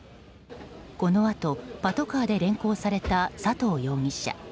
このあとパトカーで連行された佐藤容疑者。